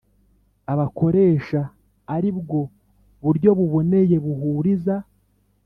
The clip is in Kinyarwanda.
Abakoresha ari bwo buryo buboneye buhuriza.